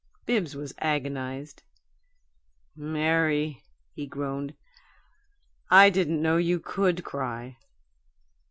Bibbs was agonized. "Mary," he groaned, "I didn't know you COULD cry!"